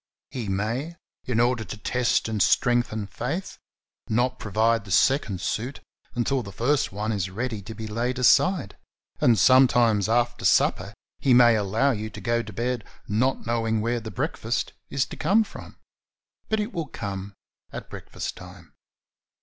He may, in order to test and strengthen faith, not provide the second suit until the first one is ready to be laid aside, and some times after supper he may allow you to go to bed not knowing where the breakfast is to come from, but it will come at break fast time.